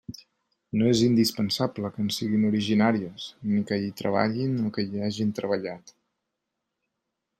No és indispensable que en siguin originàries, ni que hi treballin o hi hagin treballat.